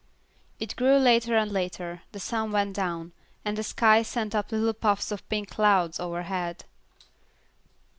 It grew later and later, the sun went down, and the sky sent up little puffs of pink clouds overhead.